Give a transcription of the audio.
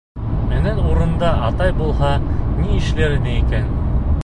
Минең урында атай булһа, ни эшләр ине икән?